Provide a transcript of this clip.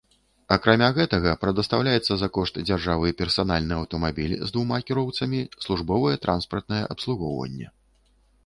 Акрамя гэтага прадастаўляецца за кошт дзяржавы персанальны аўтамабіль з двума кіроўцамі, службовае транспартнае абслугоўванне.